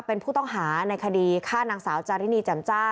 เป็นผู้ต้องหาในคดีฆ่านางสาวจารินีแจ่มจ้า